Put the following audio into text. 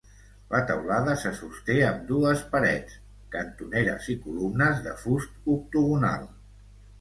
La teulada se sosté amb dues parets, cantoneres i columnes de fust octogonal.